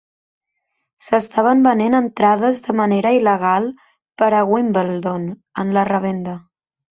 S'estaven venent entrades de manera il·legal per a Wimbledon en la revenda.